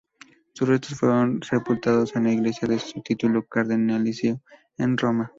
Sus restos fueron sepultados en la iglesia de su título cardenalicio en Roma.